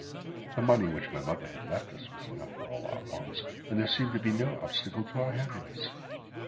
The money which my mother had left was enough for all our wants, and there seemed to be no obstacle to our happiness.